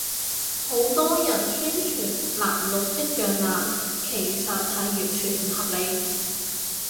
好多人宣傳藍綠一樣爛，其實係完全唔合理